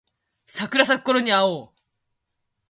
桜咲くころに会おう